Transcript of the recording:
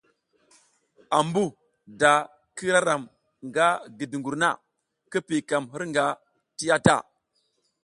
Ambu da k ira ram nga gi dungur na, ki kiykam hirnga ti ya ta.